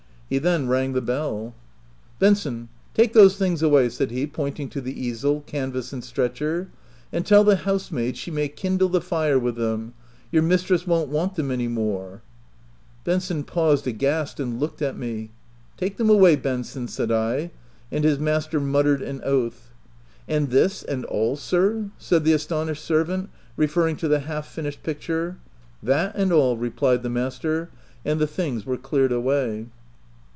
He then rang the bell. 62 THE TENANT " Benson, take those things away," said he, pointing to the easel, canvass, and stretcher ;" and tell the housemaid she may kindle the fire with them : your mistress won't want them any more/' Benson paused aghast and looked at me* " Take them away, Benson," said I ; and his master muttered an oath. " And this and all, sir V 9 said the astonished servant referring to the half finished picture. " That and all," replied the master ; and the things were cleared away.